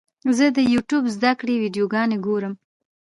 زه د یوټیوب زده کړې ویډیوګانې ګورم.